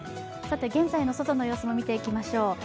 現在の外の様子も見ていきましょう。